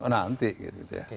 nanti gitu ya